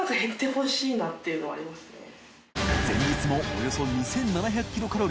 およそ２７００ｋｃａｌ